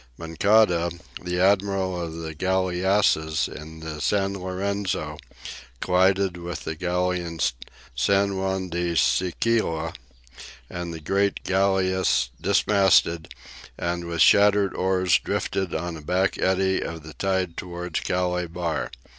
Moncada, the admiral of the galleasses, in the "San Lorenzo," collided with the galleon "San Juan de Sicilia," and the great galleass dismasted and with shattered oars drifted on a back eddy of the tide towards Calais bar.